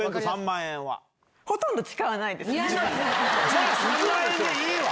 じゃあ３万円でいいわ！